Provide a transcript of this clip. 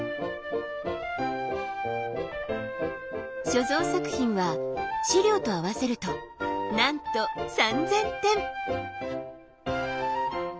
所蔵作品は資料と合わせるとなんと３，０００点！